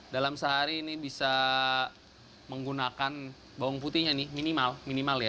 dalam sehari ini bisa menggunakan bawang putihnya nih minimal